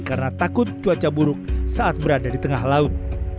karena takut cuaca buruk saat berada di tengah laut